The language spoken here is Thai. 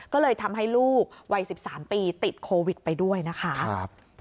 ก็เลยทำให้ลูกวัย๑๓ปีติดโควิดไปด้วยนะคะ